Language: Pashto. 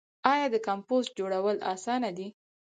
آیا د کمپوسټ جوړول اسانه دي؟